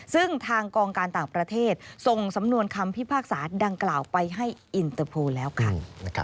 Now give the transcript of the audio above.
ซึ่งทางกองการต่างประเทศส่งสำนวนคำพิพากษาดังกล่าวไปให้อินเตอร์โพลแล้วค่ะ